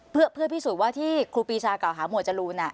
เพื่อพิสูจน์ว่าที่ครูปีชากล่าวหาหมวดจรูน